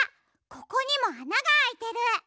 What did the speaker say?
ここにもあながあいてる。